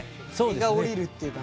荷が下りるっていうかね。